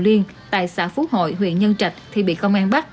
điều liên tại xã phú hội huyện nhân trạch thì bị công an bắt